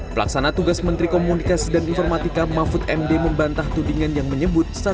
pelaksana tugas menteri komunikasi dan informatika mahfud md membantah tudingan yang menyebut